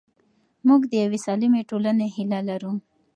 موږ د یوې سالمې ټولنې هیله لرو.